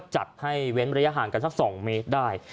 จัดให้เว้นระยะห่างกันสัก๒เมตรได้